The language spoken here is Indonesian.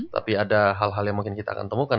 tapi ada hal hal yang mungkin kita akan temukan